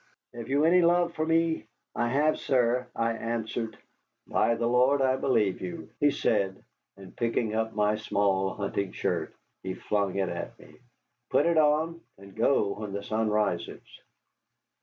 Have you any love for me?" "I have, sir," I answered. "By the Lord, I believe you," he said, and picking up my small hunting shirt, he flung it at me. "Put it on, and go when the sun rises."